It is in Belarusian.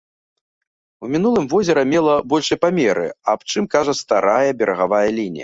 У мінулым возера мела большыя памеры, аб чым кажа старая берагавая лінія.